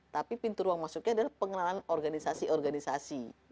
tapi pintu ruang masuknya adalah pengenalan organisasi organisasi